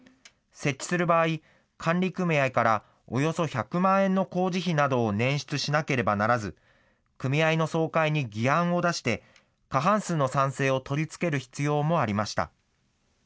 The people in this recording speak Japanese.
設置する場合、管理組合からおよそ１００万円の工事費などを捻出しなければならず、組合の総会に議案を出して、過半数の賛成を取り付ける必要もありました。